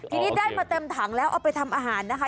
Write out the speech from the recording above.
ทีนี้ได้มาเต็มถังแล้วเอาไปทำอาหารนะคะ